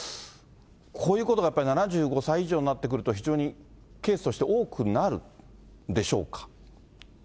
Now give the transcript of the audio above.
こういうことがやっぱり、７５歳以上になってくると、非常にケースとして多くなるんでしょうか。